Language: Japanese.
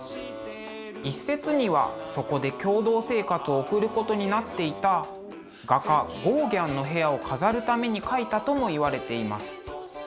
一説にはそこで共同生活を送ることになっていた画家ゴーギャンの部屋を飾るために描いたともいわれています。